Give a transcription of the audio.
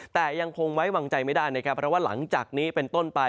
แต่ยังคงไว้วางใจไม่ได้นะครับเพราะว่าหลังจากนี้เป็นต้นไป